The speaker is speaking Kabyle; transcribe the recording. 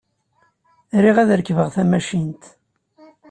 Riɣ ad rekbeɣ tamacint.